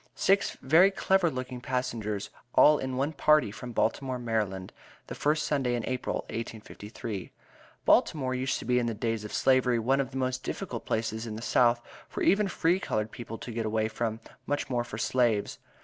Six very clever looking passengers, all in one party from Baltimore, Md., the first Sunday in April, 1853. Baltimore used to be in the days of Slavery one of the most difficult places in the South for even free colored people to get away from, much more for slaves.